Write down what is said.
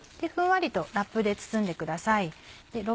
ふんわりとラップで包んでください。